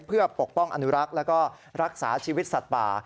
เพื่อปกป้องอนุรักษ์แล้วก็รักษาชีวิตสัตว์ป่า